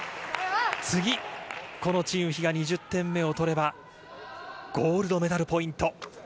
次このチン・ウヒが２０点目を取ればゴールドメダルポイント。